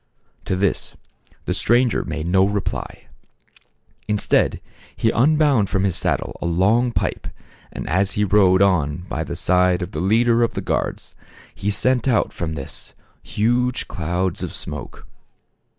To this the stranger made no reply. Instead, he unbound from his saddle a long pipe and as he rode on by the side of the leader of the guards, he sent out from this huge clouds of smoke.